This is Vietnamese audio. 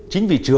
chị nhớ chứ